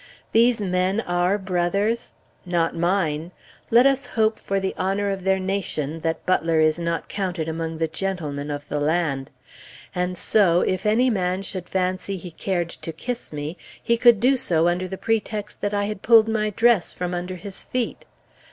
These men our brothers? Not mine! Let us hope for the honor of their nation that Butler is not counted among the gentlemen of the land. And so, if any man should fancy he cared to kiss me, he could do so under the pretext that I had pulled my dress from under his feet!